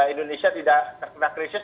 indonesia tidak terkena krisis